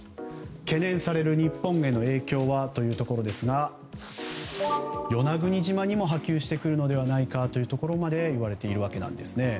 懸念される日本への影響はというところですが与那国島にも波及してくるのではないかというところまで言われているわけなんです。